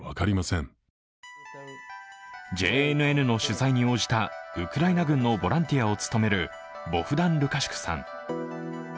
ＪＮＮの取材に応じたウクライナ軍のボランティアを務めるボフダン・ルカシュクさん。